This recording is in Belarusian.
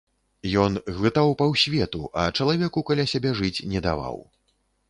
Ён глытаў паўсвету, а чалавеку каля сябе жыць не даваў.